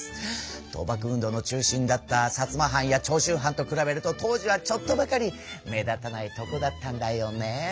倒幕運動の中心だった薩摩藩や長州藩と比べると当時はちょっとばかり目立たないとこだったんだよね。